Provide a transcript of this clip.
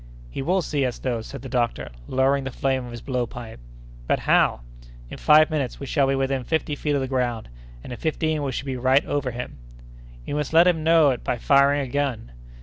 "He will see us, though!" said the doctor, lowering the flame of his blow pipe. "But how?" "In five minutes we shall be within fifty feet of the ground, and in fifteen we shall be right over him!" "We must let him know it by firing a gun!"